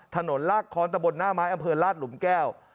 ลากค้อนตะบนหน้าไม้อำเภอลาดหลุมแก้ว